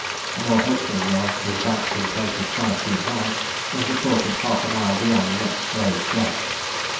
A more hopeful nullah, with banks in places five feet high, was reported half a mile beyond the next low crest.